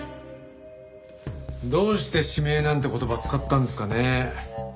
どうして「指名」なんて言葉使ったんですかね？